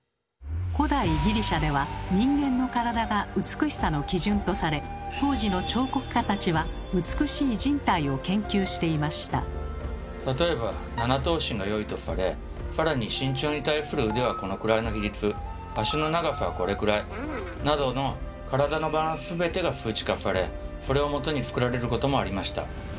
古代ギリシャでは人間の体が美しさの基準とされ例えば７頭身がよいとされさらに身長に対する腕はこのくらいの比率足の長さはこれくらいなどの体のバランス全てが数値化されそれをもとに作られることもありました。